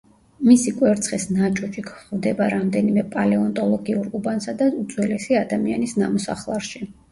მისი კვერცხის ნაჭუჭი გვხვდება რამდენიმე პალეონტოლოგიურ უბანსა და უძველესი ადამიანის ნამოსახლარში.